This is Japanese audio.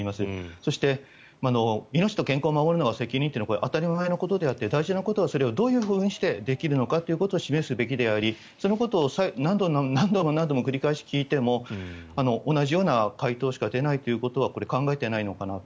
そして命と健康を守るのが責任ということですがこれ、当たり前のことであって大事なことはそれをどういうふうにしてできるのかっていうことを示すべきでありそのことを何度も何度も繰り返し聞いても同じような回答しか出ないということは考えていないのかなと。